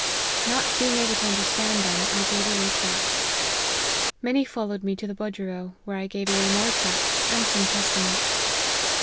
Not being able to understand them, I gave away tracts. Many followed me to the budgerow, where I gave away more tracts and some Testaments.